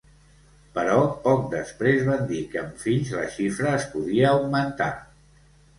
Però poc després van dir que amb fills la xifra es podia augmentar.